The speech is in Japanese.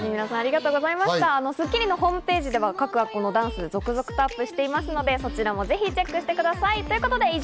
『スッキリ』のホームページでは、各学校のダンスを続々とアップしていますのでそちらもぜひチェックしてください。